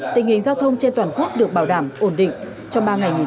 tình hình giao thông trên toàn quốc được bảo đảm ổn định